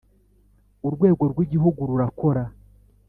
Urwego rw’ Igihugu rurakora